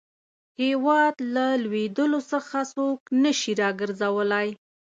هیواد له لوېدلو څخه څوک نه شي را ګرځولای.